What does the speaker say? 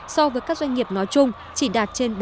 so với các doanh nghiệp nói chung chỉ đạt trên bốn mươi